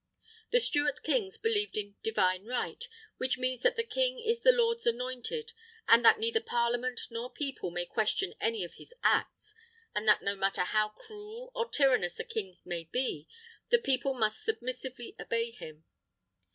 The Stuart Kings believed in "divine right," which means that the King is the Lord's annointed, and that neither Parliament nor People may question any of his acts; and that no matter how cruel or tyrannous a King may be, the People must submissively obey him.